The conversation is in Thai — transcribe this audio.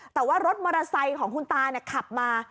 แต่ว่ารถมอเสยของคุณตาขับมา